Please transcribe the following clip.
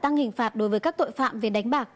tăng hình phạt đối với các tội phạm về đánh bạc